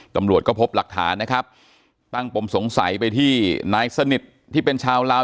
ตำรวจก็พบหลักฐานนะครับตั้งปมสงสัยไปที่นายสนิทที่เป็นชาวลาว